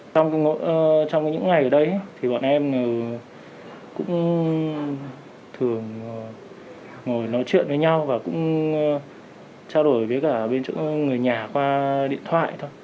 trong những ngày ở đây thì bọn em cũng thường ngồi nói chuyện với nhau và cũng trao đổi với cả bên người nhà qua điện thoại thôi